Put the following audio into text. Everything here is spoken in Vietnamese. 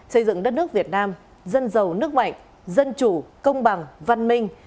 xây dựng đất nước việt nam dân giàu nước mạnh dân chủ công bằng văn minh